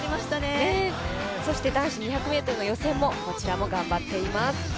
そして男子２００ｍの予選、こちらも頑張っています。